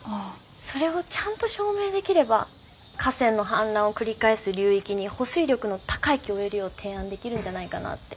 それをちゃんと証明できれば河川の氾濫を繰り返す流域に保水力の高い木を植えるよう提案できるんじゃないかなって。